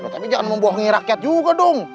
tapi jangan membohongi rakyat juga dong